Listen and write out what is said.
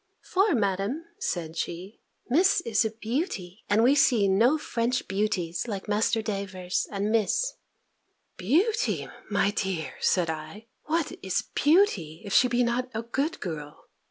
"For, Madam," said she, "Miss is a beauty! And we see no French beauties like Master Davers and Miss." "Beauty! my dear," said I; "what is beauty, if she be not a good girl?